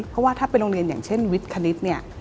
เพราะว่าถ้าเป็นโรงเรียนอย่างเช่นวิทคณิตเนี่ย